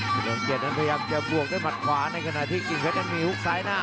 เฉลิมเกียรตินั้นพยายามจะบวกด้วยหมัดขวาในขณะที่กิ่งเพชรนั้นมีฮุกซ้ายหน้า